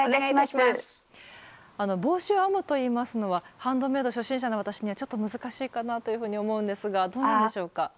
帽子を編むといいますのはハンドメイド初心者の私にはちょっと難しいかなというふうに思うんですがどうなんでしょうか？